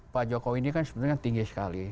pak jokowi ini kan sebenarnya tinggi sekali